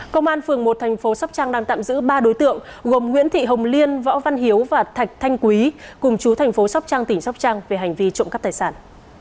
công an phường một thành phố sóc trăng đang tạm giữ ba đối tượng gồm nguyễn thị hồng liên võ văn hiếu và thạch thanh quý cùng chú thành phố sóc trăng tỉnh sóc trăng về hành vi trộm cắp tài sản